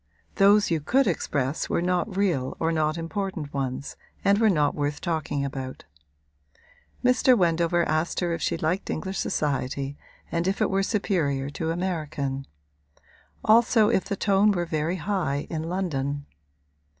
Those you could express were not real or not important ones and were not worth talking about. Mr. Wendover asked her if she liked English society and if it were superior to American; also if the tone were very high in London.